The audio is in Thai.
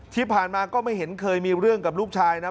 ที่ผ่านมาก็ไม่เห็นเคยมีเรื่องกับลูกชายนะ